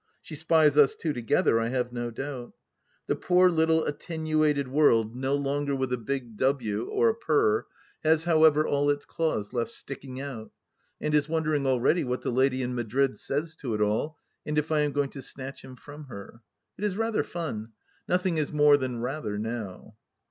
She spies us two together, I have no doubt. The poor little attenuated world, no THE LAST DITCH 168 longer with a big W, or a purr, has however all its claws left sticking out, and is wondering already what the lady in Madrid says to it all, and if I am going to snatch him from her. It is rather fun. Nothing is more than rather, now.